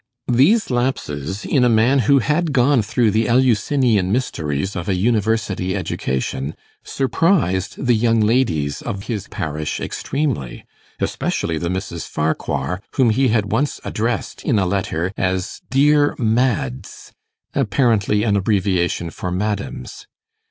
These lapses, in a man who had gone through the Eleusinian mysteries of a university education, surprised the young ladies of his parish extremely; especially the Misses Farquhar, whom he had once addressed in a letter as Dear Mads., apparently an abbreviation for Madams.